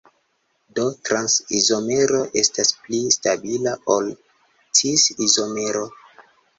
Do trans-izomero estas pli stabila ol cis-izomero.